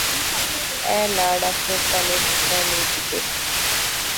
ایہہ لاڈ اساں کنے کسا نی کتے